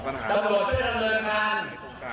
ตรวจดำเนินการทั้งล่าครับ